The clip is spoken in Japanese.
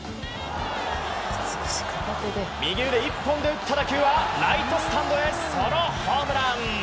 右腕一本で打った打球はライトスタンドへソロホームラン。